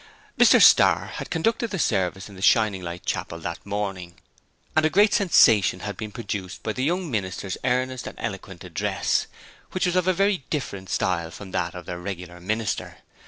Mr Starr had conducted the service in the Shining Light Chapel that morning, and a great sensation had been produced by the young minister's earnest and eloquent address, which was of a very different style from that of their regular minister.